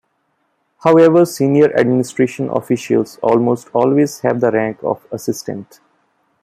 However, senior administration officials almost always have the rank of Assistant.